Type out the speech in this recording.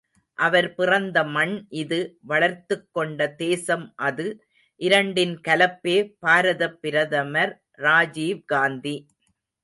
அவர் பிறந்த மண் இது வளர்த்துக்கொண்ட தேசம் அது, இரண்டின் கலப்பே பாரதப் பிரதமர் ராஜீவ் காந்தி.